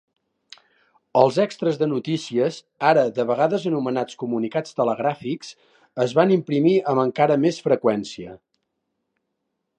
Els extres de "Notícies", ara de vegades anomenats comunicats telegràfics, es van imprimir amb encara més freqüència.